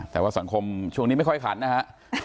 แต่ว่าสังคมช่วงนี้ไม่ค่อยขันนะฮะ